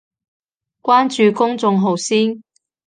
關注公眾號先